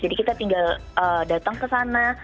jadi kita tinggal datang kesana